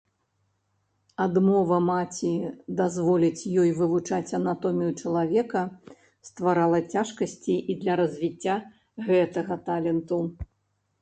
Адмова маці дазволіць ёй вывучаць анатомію чалавека стварала цяжкасці і для развіцця гэтага таленту.